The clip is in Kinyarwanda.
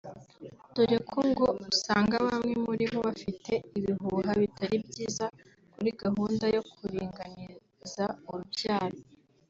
dore ko ngo usanga bamwe muri bo bafite ibihuha bitari byiza kuri gahunda yo kuringaniza urubyaro